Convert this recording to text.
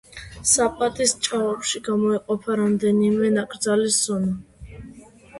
საპატის ჭაობში გამოიყოფა რამდენიმე ნაკრძალის ზონა.